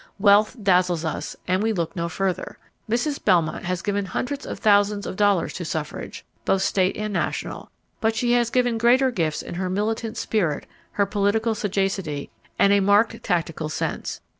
Wealth dazzles us and we look no further. Mrs. Belmont has given hundreds of thousands of dollars to suffrage, both state and national, but she has given greater gifts in her militant spirit, her political sagacity and a marked tactical sense.